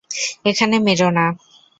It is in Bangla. এখানে মেরো না।